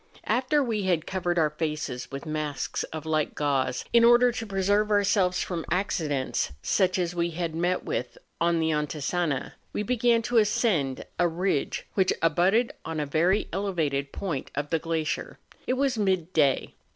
After we had covered our faces with masks of light gauze, in order to preserve ourselves from accidents such as we had met with on the Antisana, we began to ascend a ridge which abutted on a very elevated point of the glacier. It was midday.